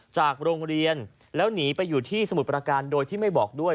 จากโรงเรียนแล้วหนีไปอยู่ที่สมุทรประการโดยที่ไม่บอกด้วย